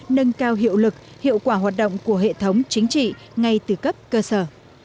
nâng cao hiệu lực hiệu quả hoạt động của hệ thống chính trị ngay từ cấp cơ sở